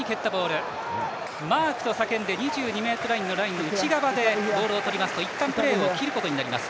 マークと叫んで２２ｍラインの内側でボールをとりますといったんプレーを切ることになります。